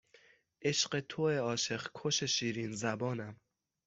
عشق توئه عاشق کش شیرین زبانم